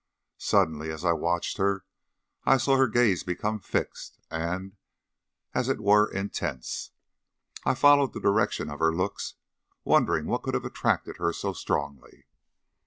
Suddenly, as I watched her, I saw her gaze become fixed, and, as it were, intense. I followed the direction of her looks, wondering what could have attracted her so strongly.